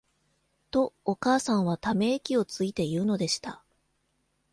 と、お母さんは溜息をついて言うのでした。